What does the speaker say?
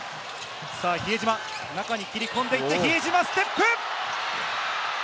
比江島、中に切り込んでいって比江島ステップ！